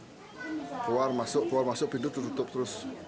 keluar masuk keluar masuk pintu ditutup terus